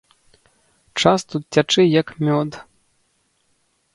Час тут цячэ як мёд.